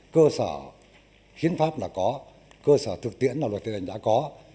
cơ sở hiến pháp là có cơ sở thực tiễn là luật hiện hành đã có